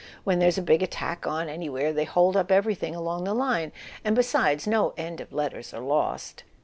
When there's a big attack on anywhere they hold up everything along the line. And besides, no end of letters are lost."